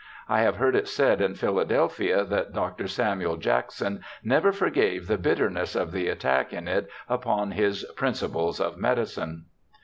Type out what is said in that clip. I have heard it said in Philadelphia that Dr. Samuel Jackson never forgave the bitterness of the attack in it upon his Principles of Medicine.